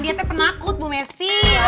dia teh penakut bu messi